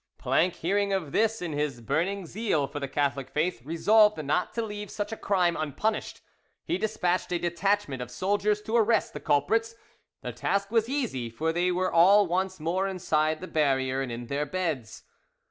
Planque hearing of this, in his burning zeal for the Catholic faith resolved not to leave such a crime unpunished. He despatched a detachment of soldiers to arrest the culprits: the task was easy, for they were all once more inside the barrier and in their beds.